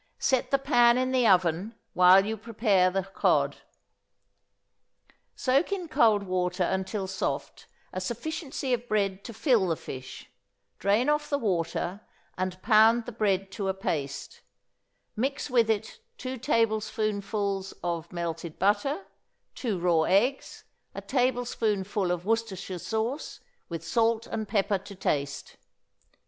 Set the pan in the oven while you prepare the cod. Soak in cold water until soft a sufficiency of bread to fill the fish; drain off the water, and pound the bread to a paste; mix with it two tablepoonsfuls of melted butter, two raw eggs, a tablespoonful of Worcestershire sauce, with salt and pepper to taste.